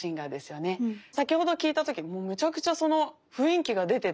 先ほど聴いた時もうめちゃくちゃその雰囲気が出てて。